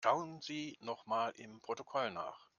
Schauen Sie nochmal im Protokoll nach.